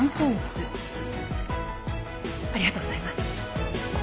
ありがとうございます。